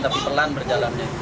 tapi pelan berjalannya